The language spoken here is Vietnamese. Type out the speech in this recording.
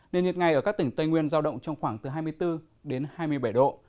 nền nhiệt ngày ở các tỉnh tây nguyên giao động trong khoảng từ hai mươi bốn đến hai mươi bảy độ